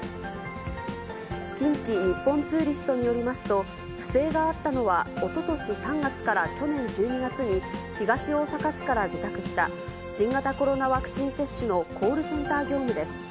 近畿日本ツーリストによりますと、不正があったのは、おととし３月から去年１２月に、東大阪市から受託した新型コロナワクチン接種のコールセンター業務です。